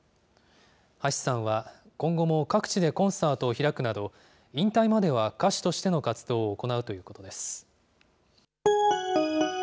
橋さんは、今後も各地でコンサートを開くなど、引退までは歌手としての活動を行うということです。